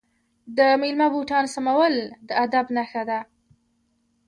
د میلمه بوټان سمول د ادب نښه ده.